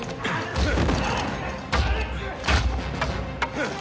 フッ！